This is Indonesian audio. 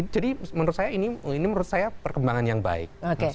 jadi menurut saya ini perkembangan yang baik